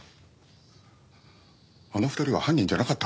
あの２人は犯人じゃなかったはずだ。